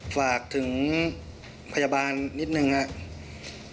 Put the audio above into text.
ฝากถึงพยาบาลนิดนึงครับ